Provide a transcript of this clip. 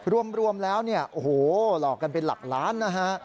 รวมแล้วหลอกกันเป็นหลักล้าน